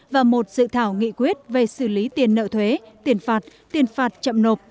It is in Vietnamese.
và một dự thảo nghị quyết về xử lý tiền nợ thuế tiền phạt tiền phạt chậm nộp